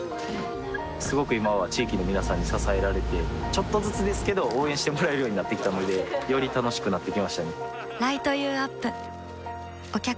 すごく今は地域の皆さんに支えられてちょっとずつですけど応援してもらえるようになってきたのでより楽しくなってきましたね